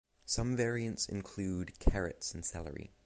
Some variants include carrots and celery.